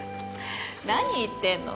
何言ってんの？